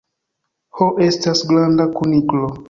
Ho estas granda kuniklo.